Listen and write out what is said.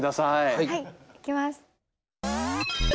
はい行きます。